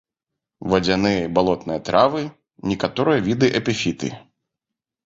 Вадзяныя і балотныя травы, некаторыя віды эпіфіты.